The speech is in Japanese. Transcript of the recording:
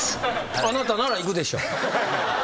あなたなら行くでしょう。